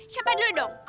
siapa dulu dong